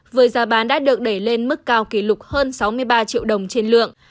với giá bán đã được đẩy lên mức cao kỷ lục hơn sáu mươi ba triệu đồng trên lượng